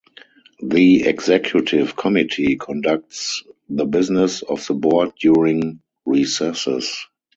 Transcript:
The Executive Committee conducts the business of the Board during recesses.